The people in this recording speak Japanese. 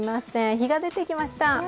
日が出てきました。